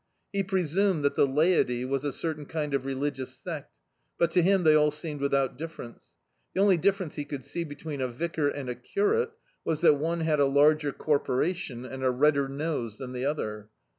He presumed that the laity was a certain tdnd of religious sect, but to htm they all seemed without difference. The only difference he could see between a vicar and a curate was that one had a larger corporation and a redder nose than the other.